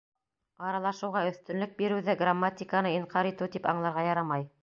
— Аралашыуға өҫтөнлөк биреүҙе грамматиканы инҡар итеү тип аңларға ярамай.